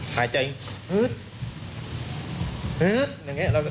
หายใจง่ด